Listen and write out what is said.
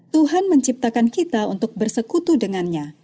tuhan menciptakan kita untuk bersekutu dengannya